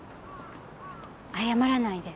謝らないで。